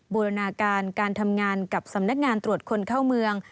บูรณาการการทำงานกับสำนักงานตรวจคนเข้าเมือง